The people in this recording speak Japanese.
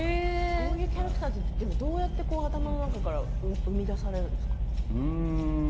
こういうキャラクターってどうやって頭の中から生み出されるんですか。